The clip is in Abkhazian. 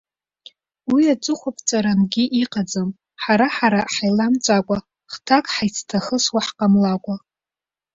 Уи аҵыхәа ԥҵәарангьы иҟаӡам ҳара-ҳара ҳаиламҵәакәа, хҭак ҳаицҭахысуа ҳҟамлакәа.